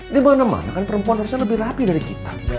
di mana mana kan perempuan harusnya lebih rapi dari kita